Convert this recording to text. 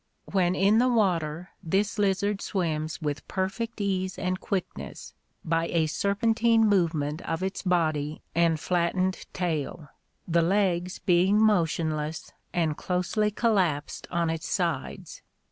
... When in the water this lizard swims with perfect ease and quickness, by a serpentine movement of its body and flattened tail — the legs being motionless and closely collapsed on its sides.